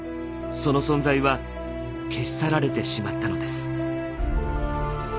その存在は消し去られてしまったのです。